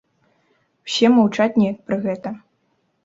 Усе маўчаць неяк пра гэта.